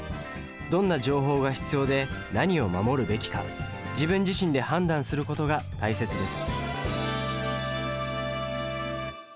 どんな情報が必要で何を守るべきか自分自身で判断することが大切です。